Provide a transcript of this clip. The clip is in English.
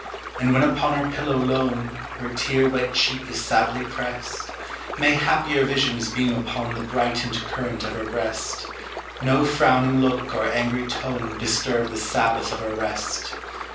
And when upon her pillow lone Her tear wet cheek is sadly pressed, May happier visions beam upon The brightened current of her breast, No frowning look or angry tone Disturb the Sabbath of her rest!